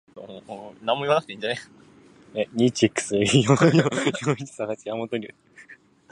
ずいぶん引き延ばしたな